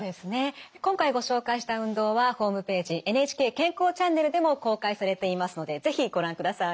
今回ご紹介した運動はホームページ「ＮＨＫ健康チャンネル」でも公開されていますので是非ご覧ください。